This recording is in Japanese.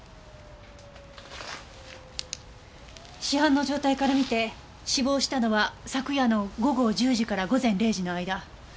死斑の状態から見て死亡したのは昨夜の午後１０時から午前０時の間。